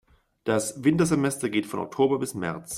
Das Wintersemester geht von Oktober bis März.